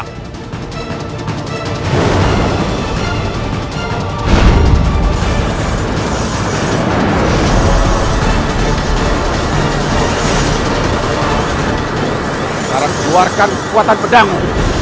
sekarang keluarkan kuatan pedangmu